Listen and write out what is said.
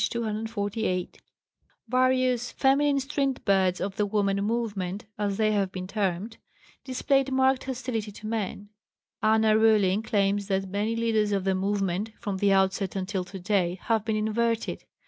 248). Various "feminine Strindbergs of the woman movement," as they have been termed, displayed marked hostility to men. Anna Rüling claims that many leaders of the movement, from the outset until today, have been inverted.